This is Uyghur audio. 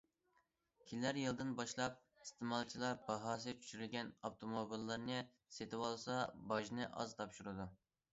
كېلەر يىلىدىن باشلاپ، ئىستېمالچىلار باھاسى چۈشۈرۈلگەن ئاپتوموبىللارنى سېتىۋالسا باجنى ئاز تاپشۇرىدۇ.